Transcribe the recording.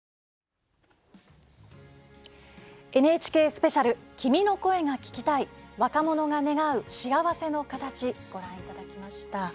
「ＮＨＫスペシャル君の声が聴きたい若者が願う幸せのカタチ」ご覧いただきました。